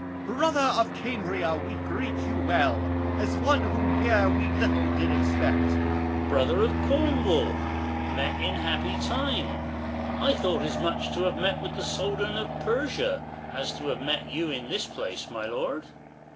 Corn. Brother of Cambria, we greet you well, As one whom here we little did expect. 20 Cam. Brother of Cornwall, met in happy time : I thought as much to have met with the souldan of Persia, As to have met you in this place, my lord.